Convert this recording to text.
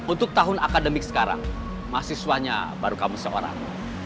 untuk tahun akademik sekarang mahasiswanya baru kamu seorang